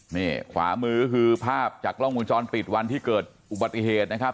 นี่ขวามือก็คือภาพจากกล้องวงจรปิดวันที่เกิดอุบัติเหตุนะครับ